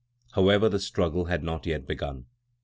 However, the struggle had not yet begun.